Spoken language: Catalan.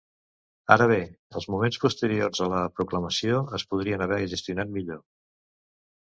Ara bé, els moments posteriors a la proclamació es podrien haver gestionat millor.